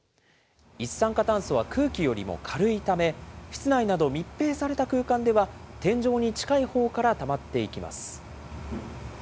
一酸化炭素は空気よりも軽いため、室内など密閉された空間では、天井に近いほうからたまっていきます。